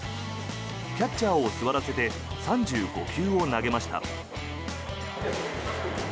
キャッチャーを座らせて３５球を投げました。